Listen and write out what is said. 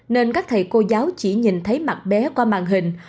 nên các thầy cô giáo chỉ nhìn thấy mặt bé qua màn hình